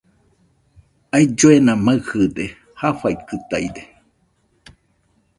Ailluena maɨde, jafaikɨtaide.